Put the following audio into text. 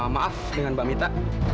maaf dengan mbak mita